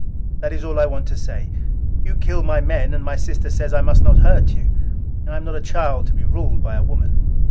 "That is all I want to say. You kill my men, and my sister says I must not hurt you. I am not a child to be ruled by a woman!"